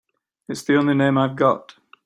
It's the only name I've got.